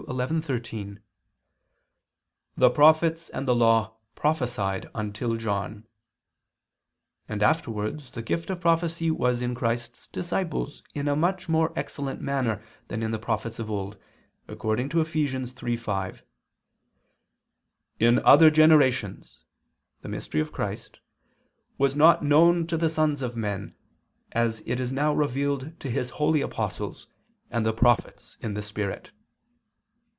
11:13): "The prophets and the law prophesied until John"; and afterwards the gift of prophecy was in Christ's disciples in a much more excellent manner than in the prophets of old, according to Eph. 3:5, "In other generations" the mystery of Christ "was not known to the sons of men, as it is now revealed to His holy apostles and prophets in the Spirit."